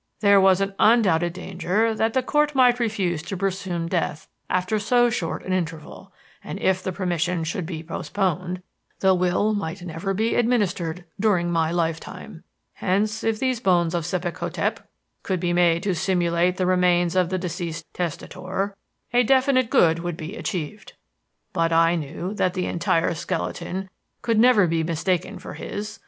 "There was an undoubted danger that the Court might refuse to presume death after so short an interval; and if the permission should be postponed, the will might never be administered during my lifetime. Hence, if these bones of Sebek hotep could be made to simulate the remains of the deceased testator, a definite good would be achieved. But I knew that the entire skeleton could never be mistaken for his.